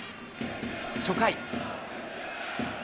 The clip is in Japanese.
初回。